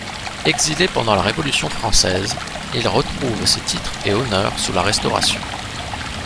Exilé pendant la Révolution française, il retrouve ses titres et honneurs sous la Restauration.